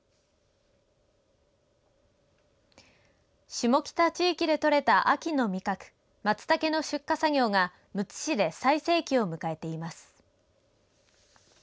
下北地域で採れた秋の味覚マツタケの出荷作業がむつ市で最盛期を迎えています。